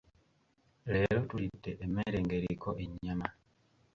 Leero tulidde emmere ng’eriko ennyama.